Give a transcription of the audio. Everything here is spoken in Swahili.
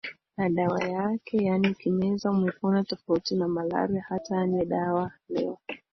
na dawa yake yaani ukimeza umepona tofauti na Malaria hata anywe dawa leo